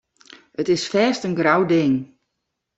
It is fêst in grou ding.